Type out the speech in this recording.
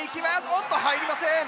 おっと入りません。